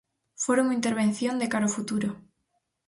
Fora unha intervención de cara ao futuro.